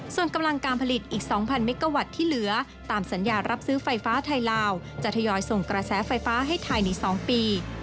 ส่วนกำลังการผลิตอีก๒๐๐เมกาวัตต์ที่เหลือตามสัญญารับซื้อไฟฟ้าไทยลาวจะทยอยส่งกระแสไฟฟ้าให้ไทยใน๒ปี